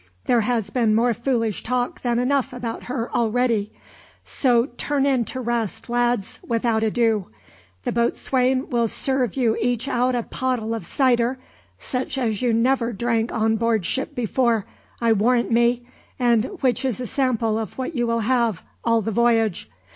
There has been more foolish talk than enough about her already; so turn in to rest, lads, without ado. The boatswain will serve you each out a pottle of cider, such as you never drank on board ship before, I warrant me, and which is a sample of what you will have, all the voyage.